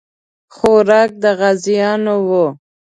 خوراک د غازیانو وو.